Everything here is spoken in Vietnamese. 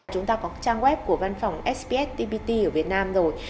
chúng ta có trang web của văn phòng sps tpt ở việt nam rồi